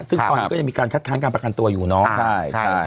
ซึ่งตอนนี้ก็ยังมีการคัดค้านการประกันตัวอยู่เนาะ